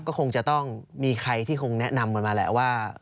ก็คงจะต้องมีใครที่คงแนะนำกันมาแหละว่า